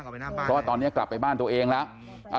เพราะว่าตอนนี้กลับไปบ้านตัวเองแล้ว